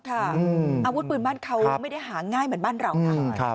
อาวุธปืนบ้านเขาไม่ได้หาง่ายเหมือนบ้านเรานะ